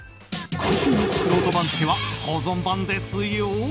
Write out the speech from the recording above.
今週のくろうと番付は保存版ですよ！